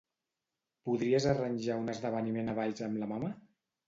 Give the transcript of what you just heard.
Podries arranjar un esdeveniment a Valls amb la mama?